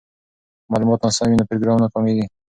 که معلومات ناسم وي نو پروګرام ناکامیږي.